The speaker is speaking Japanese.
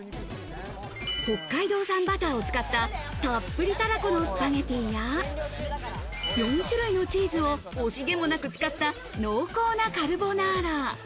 北海道産バターを使った、たっぷりたらこのスパゲッティや、４種類のチーズを惜しげもなく使った濃厚なカルボナーラ。